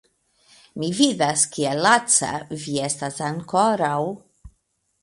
Mi vidas, kiel laca vi estas ankoraŭ.